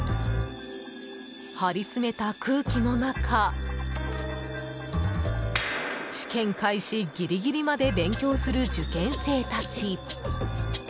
張り詰めた空気の中試験開始ギリギリまで勉強する受験生たち。